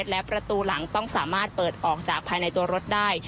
และประตูหลังต้องสามารถเปิดออกจากภายในตัวรถได้